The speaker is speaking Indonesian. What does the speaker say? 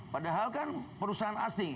padahal kan perusahaan asing